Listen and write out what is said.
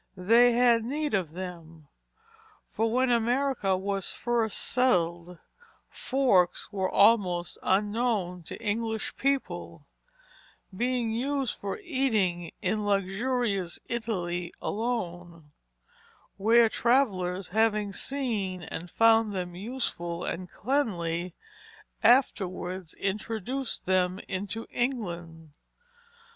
They had need of them, for when America was first settled forks were almost unknown to English people being used for eating in luxurious Italy alone, where travellers having seen and found them useful and cleanly, afterwards introduced them into England.